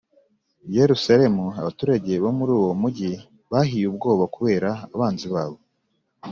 Yerusalemu Abaturage bo muri uwo mugi bahiye ubwoba kubera abanzi babo